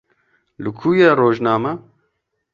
Li ku ye rojname?